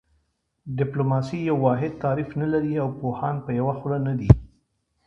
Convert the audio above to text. ډیپلوماسي یو واحد تعریف نه لري او پوهان په یوه خوله نه دي